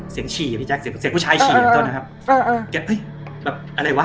ฉี่อ่ะพี่แจ๊คเสียงผู้ชายฉี่ยต้นนะครับแกแบบอะไรวะ